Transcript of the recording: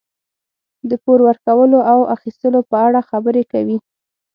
د پور ورکولو او اخیستلو په اړه خبرې کوي.